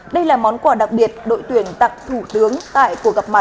đây là món quà đặc biệt đội tuyển tặng thủ tướng tại cuộc gặp mặt